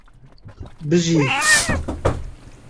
هەشتا لیرەم حقووق بۆ زیاد کراوە